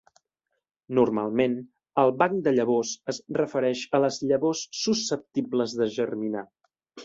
Normalment, el banc de llavors es refereix a les llavors susceptibles de germinar.